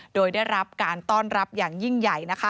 โดยได้รับการต้อนรับอย่างยิ่งใหญ่นะคะ